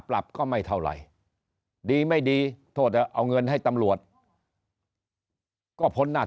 ปรับก็ไม่เท่าไหร่ดีไม่ดีโทษเอาเงินให้ตำรวจก็พ้นหน้า